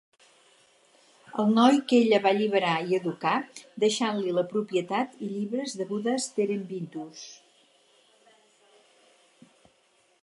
El noi que ella va alliberar i educar, deixant-li la propietat i llibres de Buddas-Terebinthus.